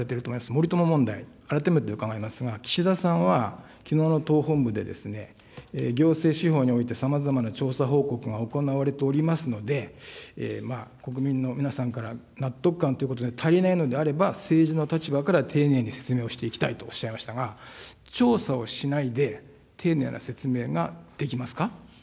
森友問題、改めて伺いますが、岸田さんはきのうの党本部で、行政司法においてさまざまな調査報告が行われておりますので、国民の皆さんから納得感ということで足りないのであれば、政治の立場から丁寧に説明をしていきたいとおっしゃいましたが、調査はしないで、丁寧な説明ができますか。